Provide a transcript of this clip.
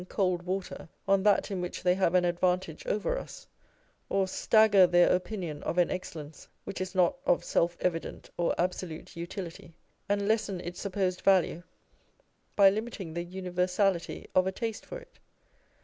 cold icater on that in which they have an advantage over us, or stagger their opinion of an excellence which is not of self evident or absolute utility, and lessen its supposed value, by limiting the universality of a taste for it.